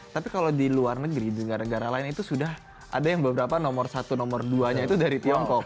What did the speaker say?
tapi kalau di luar negeri di negara negara lain itu sudah ada yang beberapa nomor satu nomor duanya itu dari tiongkok